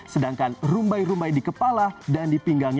sedangkan rumbai rumbai di kepala dan di pinggangnya